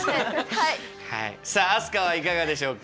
はいさあ飛鳥はいかがでしょうか？